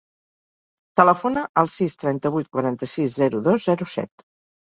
Telefona al sis, trenta-vuit, quaranta-sis, zero, dos, zero, set.